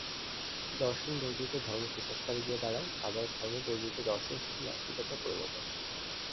দর্শনবর্জিত ধর্ম কুসংস্কারে গিয়ে দাঁড়ায়, আবার ধর্মবর্জিত দর্শন শুধু নাস্তিকতায় পরিণত হয়।